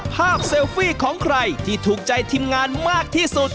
เซลฟี่ของใครที่ถูกใจทีมงานมากที่สุด